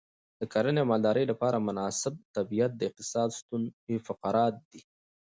د کرنې او مالدارۍ لپاره مناسب طبیعت د اقتصاد ستون فقرات دی.